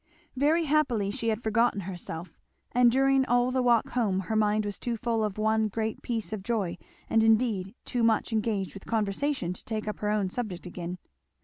Very happily she had forgotten herself; and during all the walk home her mind was too full of one great piece of joy and indeed too much engaged with conversation to take up her own subject again.